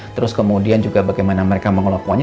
terus kemudian juga bagaimana mereka mengelak uangnya